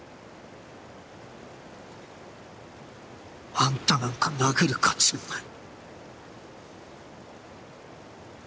あんたなんか殴る価値もない。